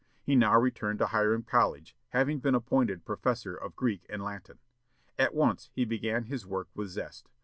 He now returned to Hiram College, having been appointed professor of Greek and Latin. At once he began his work with zest.